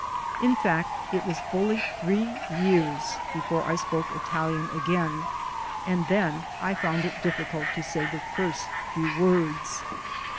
In fact, it was fully three years before I spoke Italian again and then I found it difficult to say the first few words.